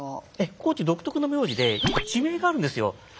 高知独特の名字で地名があるんですよ。